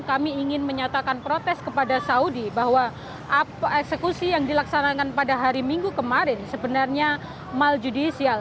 kami ingin menyatakan protes kepada saudi bahwa eksekusi yang dilaksanakan pada hari minggu kemarin sebenarnya maljudisial